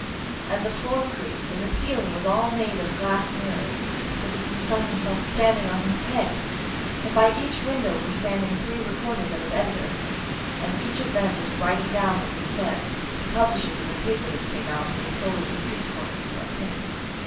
And the floor creaked, and the ceiling was all made of glass mirrors, so that he saw himself standing on his head, and by each window were standing three reporters and an editor; and each of them was writing down what was said, to publish it in the paper that came out and was sold at the street corners for a penny.